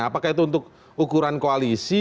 apakah itu untuk ukuran koalisi